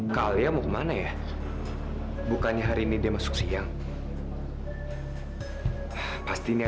sampai jumpa di video selanjutnya